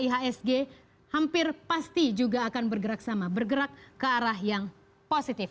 ihsg hampir pasti juga akan bergerak sama bergerak ke arah yang positif